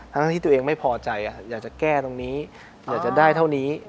ทั้งที่ตัวเองไม่พอใจอยากจะแก้ตรงนี้อยากจะได้เท่านี้